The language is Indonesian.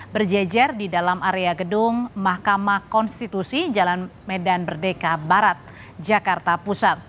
berjejer di dalam area gedung mahkamah konstitusi jalan medan merdeka barat jakarta pusat